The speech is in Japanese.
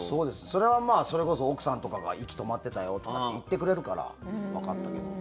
それは、それこそ奥さんとかが息止まってたよとかって言ってくれるからわかったけど。